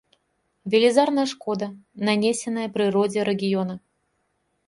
Велізарная шкода нанесеная прыродзе рэгіёна.